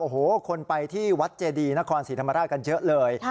โอ้โหคนไปที่วัดเจดีนครศรีธรรมราชกันเยอะเลย